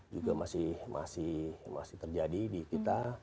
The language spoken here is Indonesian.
juga masih masih masih terjadi di kita